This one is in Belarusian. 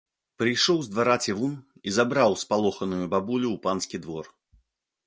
Прыйшоў з двара цівун і забраў спалоханую бабулю ў панскі двор.